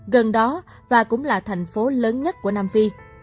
gần đó và cũng là thành phố lớn nhất của nam phi